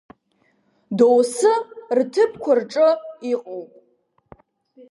Доусы рҭыԥқәа рҿы иҟоуп.